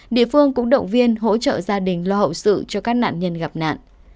địa phương cũng động viên hỗ trợ gia đình lo hậu sự cho các nạn nhân gặp nạn